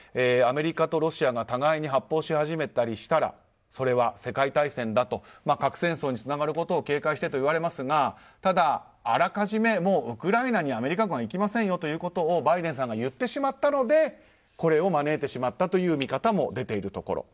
アメリカとロシアが互いに発砲し始めたりしたらそれは世界大戦だと核戦争につながることを警戒してと言われますがただ、あらかじめウクライナにアメリカ軍は行きませんよとバイデンさんが言ってしまったのでこれを招いてしまったという見方も出ている。